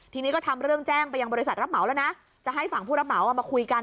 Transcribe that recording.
ทีนี้ก็ทำเรื่องแจ้งไปยังบริษัทรับเหมาแล้วนะจะให้ฝั่งผู้รับเหมามาคุยกัน